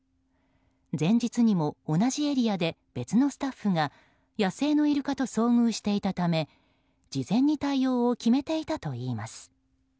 前日にも同じエリアで別のスタッフが野生のイルカと遭遇していたため事前に対応を決めていたといいます。